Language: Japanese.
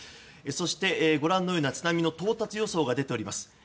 そして、ご覧のような津波の到達予想が出ています。